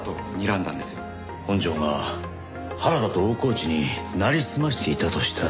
本条が原田と大河内になりすましていたとしたら。